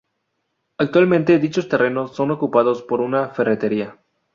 Actualmente dichos terrenos son ocupados por una ferretería.